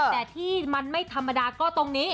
แต่ที่มันไม่ธรรมดาก็ตรงนี้